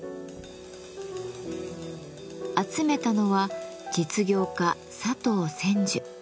集めたのは実業家・佐藤千壽。